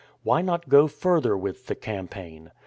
Why not go further with the campaign?